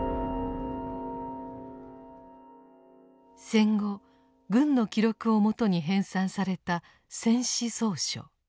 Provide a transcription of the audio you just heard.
戦後軍の記録をもとに編纂された「戦史叢書」。